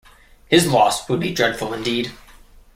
His loss would be dreadful indeed.